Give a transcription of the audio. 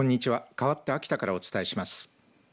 かわって秋田からお伝えします。